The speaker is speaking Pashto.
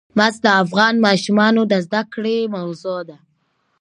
مس د افغان ماشومانو د زده کړې موضوع ده.